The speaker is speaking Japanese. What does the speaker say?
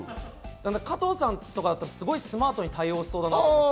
加藤さんとかだと、すごいスマートに対応しそうだなと。